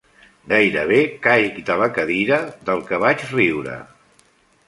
Gairebé caic de la cadira del que vaig riure.